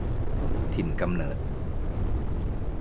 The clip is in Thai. ถิ่นกำเนิด